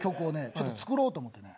ちょっと作ろうと思ってね。